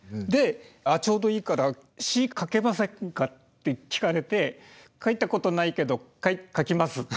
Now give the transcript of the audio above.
でちょうどいいから詞書けませんかって聞かれて書いたことないけど書きます。